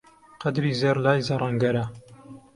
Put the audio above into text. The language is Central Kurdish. قەدری زێڕ لای زەڕەنگەرە